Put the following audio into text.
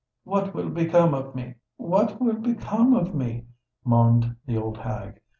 "What will become of me? what will become of me!" moaned the old hag.